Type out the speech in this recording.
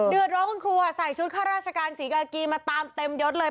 เดือดร้อนคุณครูใส่ชุดข้าราชการศรีกากีมาตามเต็มยดเลย